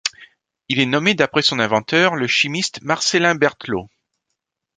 Il est nommé d’après son inventeur, le chimiste Marcellin Berthelot.